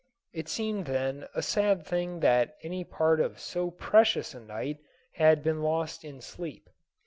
It seemed then a sad thing that any part of so precious a night had been lost in sleep.